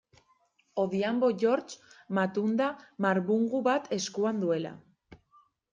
Odhiambo George, matunda marbungu bat eskuan duela.